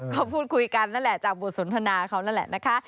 ก็พูดคุยกันนั่นแหละจากบทสนทนาเขานั่นแหละนะคะ